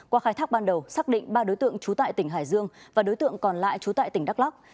qua khai thác ban đầu xác định ba đối tượng trú tại tỉnh hải dương và đối tượng còn lại trú tại tỉnh đắk lắc